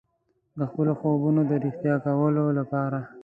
د خپلو خوبونو د ریښتیا کولو لپاره.